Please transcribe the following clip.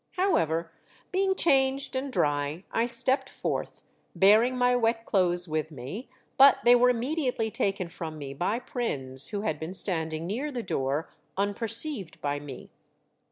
How ever, being changed and dry, I stepped forth, bearing my wet clothes with me, but they were immediately taken from me by Prins, who had been standing near the door un perceived by me.